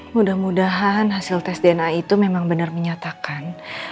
mudah mudahan hasil tes dna itu memang benar menyatakan